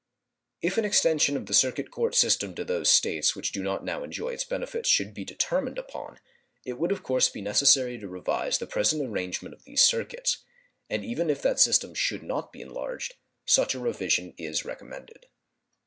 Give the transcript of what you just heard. If an extension of the circuit court system to those States which do not now enjoy its benefits should be determined upon, it would of course be necessary to revise the present arrangement of the circuits; and even if that system should not be enlarged, such a revision is recommended.